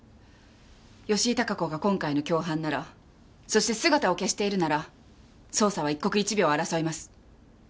吉井孝子が今回の共犯ならそして姿を消しているなら捜査は一刻一秒を争います。